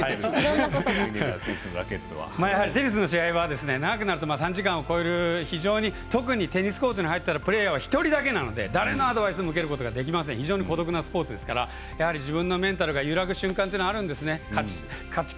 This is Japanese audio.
テニスの試合は長くなると３時間を超えるメンタルが大事で非常に、特にテニスコートに入ったらプレーヤーは１人だけで誰のアドバイスもうけられない非常に孤独なスポーツなのでメンタルが揺らぐ瞬間はあるんですね。